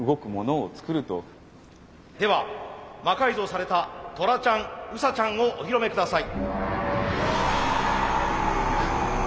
では魔改造されたトラちゃんウサちゃんをお披露目下さい。